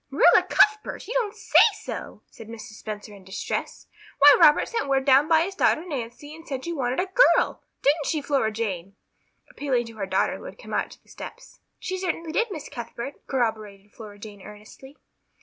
"Marilla Cuthbert, you don't say so!" said Mrs. Spencer in distress. "Why, Robert sent word down by his daughter Nancy and she said you wanted a girl didn't she Flora Jane?" appealing to her daughter who had come out to the steps. "She certainly did, Miss Cuthbert," corroborated Flora Jane earnestly.